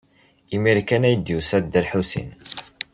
Imir-a kan ay d-yusa Dda Lḥusin.